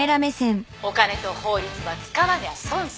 お金と法律は使わにゃ損損。